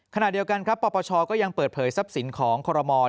ขณะเดียวกันปปชก็ยังเปิดเผยทรัพย์สินของโครโลมอร์